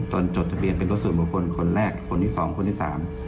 จดทะเบียนเป็นรถส่วนบุคคลคนแรกคนที่สองคนที่สาม